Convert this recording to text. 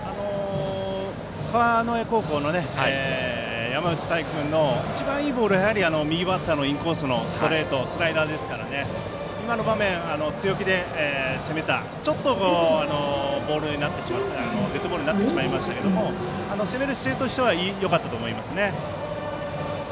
川之江高校の山内太暉君の一番いいボールは右バッターのインコースのストレートとスライダーですから今の場面、強気で攻めたデッドボールになってしまいましたけども攻める姿勢としてはよかったと思いますね。